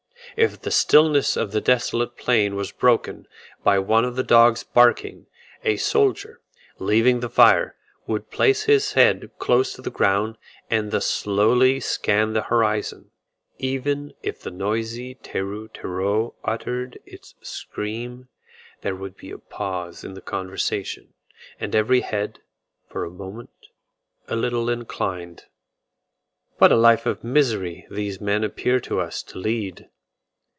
If the stillness of the desolate plain was broken by one of the dogs barking, a soldier, leaving the fire, would place his head close to the ground, and thus slowly scan the horizon. Even if the noisy teru tero uttered its scream, there would be a pause in the conversation, and every head, for a moment, a little inclined. What a life of misery these men appear to us to lead!